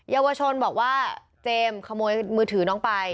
เยาวชนบอกว่าเจมส์ขโมยมือถือน้องไป